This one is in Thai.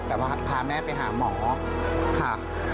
แต่ว่าพาแม่ไปหาหมอค่ะ